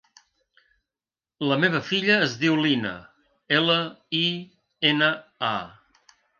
La meva filla es diu Lina: ela, i, ena, a.